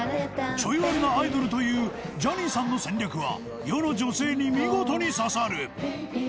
ちょいワルなアイドルというジャニーさんの戦略は世の女性に見事に刺さる。